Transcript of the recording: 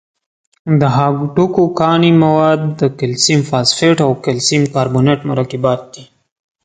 د هډوکو کاني مواد د کلسیم فاسفیټ او کلسیم کاربونیت مرکبات دي.